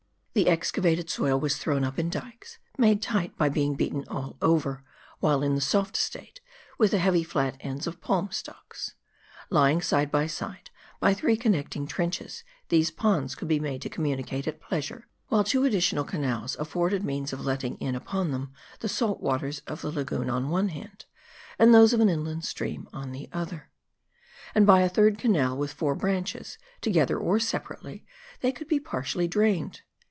The excavated soil was thrown up in dykes, made tight by being beaten all over$ while in a soft state, with the heavy, flat ends of Palm stalks. Lying 332 M A R D I. side by side, by three connecting trenches, these ponds could be made to communicate at pleasure ; while two additional canals afforded means of letting in upon them the salt waters of the lagoon on one hand, or those of an inland stream on the other. And by a third canal with four branches, to gether or separately, they could be partially drained.